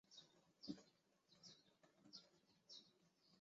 枣庄地区地质构造骨架形成于中生代的燕山期。